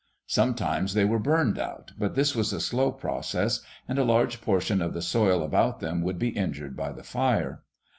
Sometimes they were burned out, but this was a slow process, and a large portion of the soil about them would be injured by the fire.